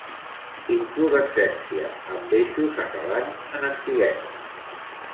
Inflorescència amb eixos acabant en espiguetes.